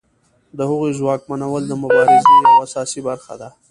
د هغوی ځواکمنول د مبارزې یوه اساسي برخه ده.